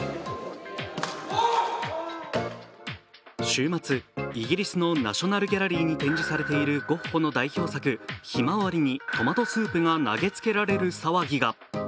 週末、イギリスのナショナル・ギャラリーに展示されているゴッホの代表作「ひまわり」にトマトスープが投げつけられる騒ぎが。